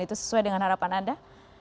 itu sesuai dengan harapan anda